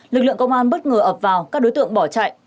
lực lượng công an bất ngờ ập vào các đối tượng bỏ chạy